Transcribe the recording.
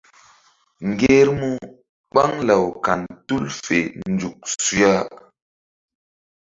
Ŋgermu ɓaŋ law kan tul fe nzuk su ya.